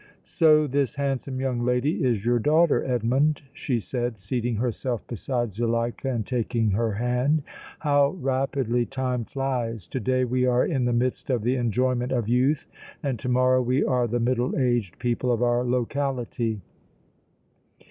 "So this handsome young lady is your daughter, Edmond," she said, seating herself beside Zuleika and taking her hand. "How rapidly time flies. To day we are in the midst of the enjoyment of youth and to morrow we are the middle aged people of our locality.